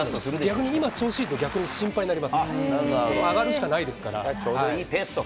調子いいと、逆に心配になります。